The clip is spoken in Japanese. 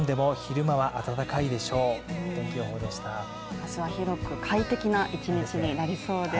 明日は広く、快適な一日となりそうです。